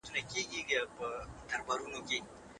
انګلیسانو هم وضعیت څارل.